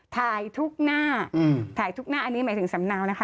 ถ่ายทุกหน้าถ่ายทุกหน้าอันนี้หมายถึงสำเนานะคะ